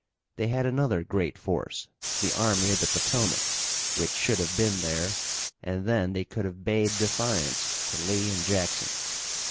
They had another great force, the Army of the Potomac, which should have been there, and then they could have bade defiance to Lee and Jackson.